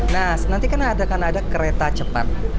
nah nanti kan akan ada kereta cepat